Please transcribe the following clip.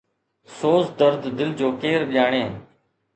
سوز درد دل جو ڪير ڄاڻي